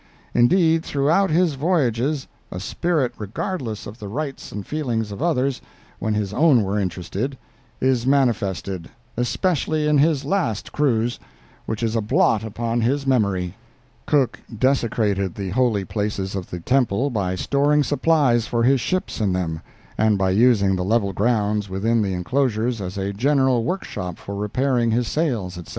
Indeed, throughout his voyages a spirit regardless of the rights and feelings of others, when his own were interested, is manifested, especially in his last cruise, which is a blot upon his memory." Cook desecrated the holy places of the temple by storing supplies for his ships in them, and by using the level grounds within the inclosure as a general workshop for repairing his sails, etc.